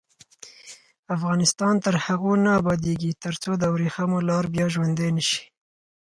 افغانستان تر هغو نه ابادیږي، ترڅو د وریښمو لار بیا ژوندۍ نشي.